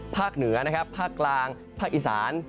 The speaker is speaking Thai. เหนือนะครับภาคกลางภาคอีสาน